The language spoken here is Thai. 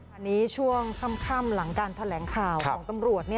อันนี้ช่วงค่ำหลังการแถลงข่าวของตำรวจ